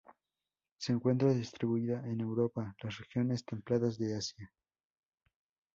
Se encuentra distribuida en Europa, las regiones templadas de Asia.